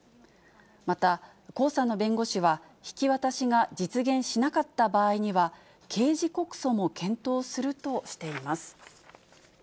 また、江さんの弁護士は、引き渡しが実現しなかった場合には、刑事告訴も検討するとしています。